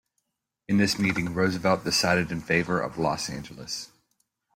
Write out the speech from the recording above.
In this meeting, Roosevelt decided in favor of Los Angeles.